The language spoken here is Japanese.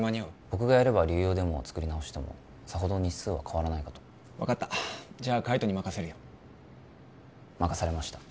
僕がやれば流用でも作り直しでもさほど日数は変わらないかと分かったじゃあ海斗に任せるよ任されました